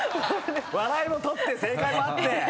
笑いも取って正解もあって。